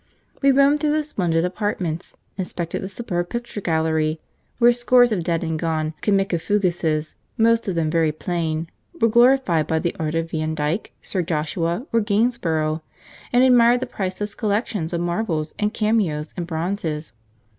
We roamed through the splendid apartments, inspected the superb picture gallery, where scores of dead and gone Cimicifugases (most of them very plain) were glorified by the art of Van Dyck, Sir Joshua, or Gainsborough, and admired the priceless collections of marbles and cameos and bronzes.